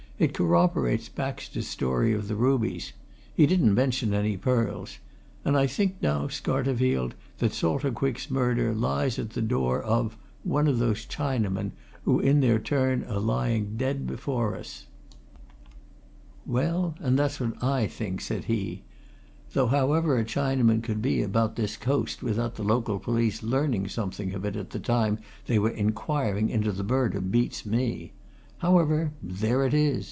"It corroborates Baxter's story of the rubies. He didn't mention any pearls. And I think now, Scarterfield, that Salter Quick's murder lies at the door of one of those Chinamen who in their turn are lying dead before us!" "Well, and that's what I think," said he. "Though however a Chinaman could be about this coast without the local police learning something of it at the time they were inquiring into the murder beats me. However, there it is!